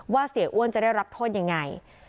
เสียอ้วนจะได้รับโทษยังไง